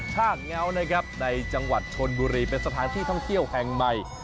ช่างแง้วนะครับในจังหวัดชนบุรีเป็นสถานที่ท่องเที่ยวแห่งใหม่